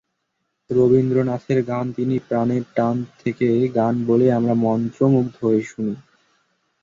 রবীন্দ্রনাথের গান তিনি প্রাণের টান থেকে গান বলেই আমরা মন্ত্রমুগ্ধ হয়ে শুনি।